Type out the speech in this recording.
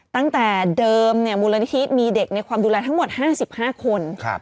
ตั้งแต่เดิมมูลนิธิมีเด็กในความดูแลทั้งหมด๕๕คน